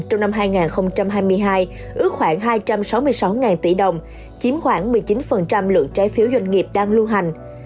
trong năm hai nghìn hai mươi hai ước khoảng hai trăm sáu mươi sáu tỷ đồng chiếm khoảng một mươi chín lượng trái phiếu doanh nghiệp đang lưu hành